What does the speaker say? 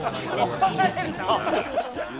怒られるぞ！